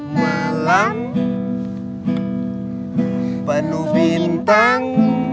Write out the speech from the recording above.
malam penuh bintang